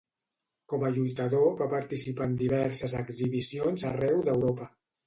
Com a lluitador va participar en diverses exhibicions arreu d'Europa.